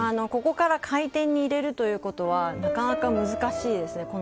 ここから回転に入れるということはなかなか難しいですね。